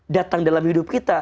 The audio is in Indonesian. datang dalam hidup kita